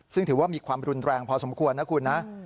ซึ่งถือว่ามีความรุนแรงพอสมควรนะคุณนะ